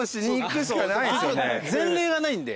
前例がないんで。